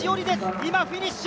今、フィニッシュ。